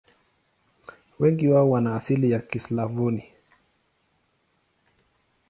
Wengi wao wana asili ya Kislavoni.